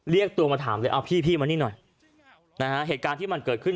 เรียกตัวมาถามเลยเอาพี่พี่มานี่หน่อยนะฮะเหตุการณ์ที่มันเกิดขึ้น